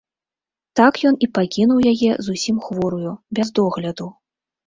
Так ён і пакінуў яе зусім хворую, без догляду.